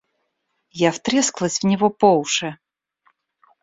Я втрескалась в него по уши.